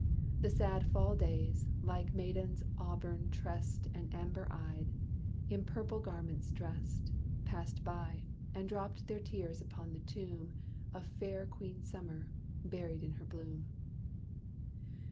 The sad Fall days, like maidens auburn tressed And amber eyed, in purple garments dressed, Passed by, and dropped their tears upon the tomb Of fair Queen Summer, buried in her bloom.